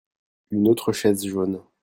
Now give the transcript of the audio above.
Une autre chaise jaune.